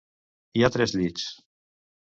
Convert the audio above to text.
Hi ha tres llits.